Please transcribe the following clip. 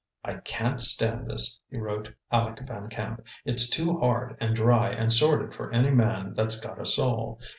"I can't stand this," he wrote Aleck Van Camp; "It's too hard and dry and sordid for any man that's got a soul.